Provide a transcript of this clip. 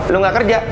lu gak kerja